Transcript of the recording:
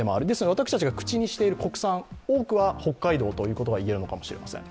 私たちが口にしている国産、多くは北海道ということがいえるのかもしれません。